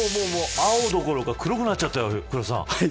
青どころか黒くなっちゃったよ。